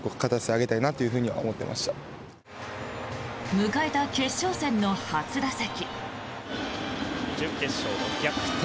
迎えた決勝戦の初打席。